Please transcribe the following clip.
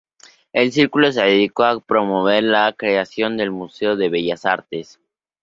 El Círculo se dedicó a promover la creación de un museo de bellas artes.